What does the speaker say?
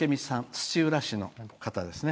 土浦市の方です。